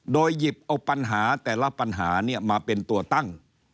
โดยหยิบเอาปัญหาแต่ละปัญหามาเป็นตัวตั้ง